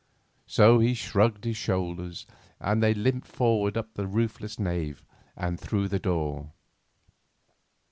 So he shrugged his shoulders, and they limped forward up the roofless nave and through the door.